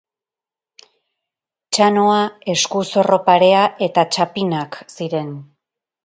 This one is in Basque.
Txanoa, eskuzorro parea eta txapinak ziren.